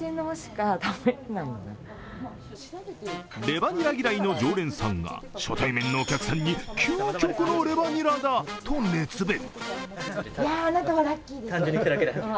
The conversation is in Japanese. レバニラ嫌いの常連さんが初対面のお客さんに究極のレバニラだと熱弁。